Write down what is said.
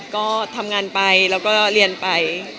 ก็ทำงานไปแล้วก็เรียนไป